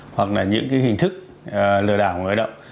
hoặc là những hình thức lừa đảo người lao động